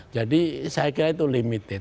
jadi saya kira itu limited